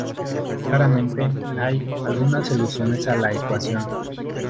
Claramente "hay" algunas soluciones a la ecuación.